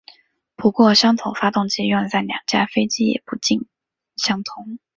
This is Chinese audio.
不过相同发动机用在两架飞机也不尽相通。